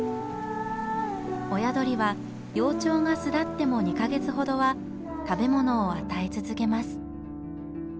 親鳥は幼鳥が巣立っても２か月ほどは食べ物を与え続けます。